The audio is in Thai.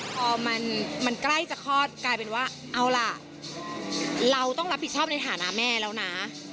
พอมันใกล้จะคลอดกลายเป็นว่าเอาล่ะเราต้องรับผิดชอบในฐานะแม่แล้วนะ